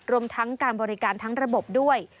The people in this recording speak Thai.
รวมทั้งการบริการทั้งระบบด้วย